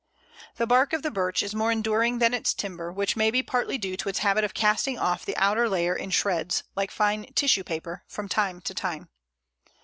The bark of the Birch is more enduring than its timber, which may be partly due to its habit of casting off the outer layer in shreds, like fine tissue paper, from time to time.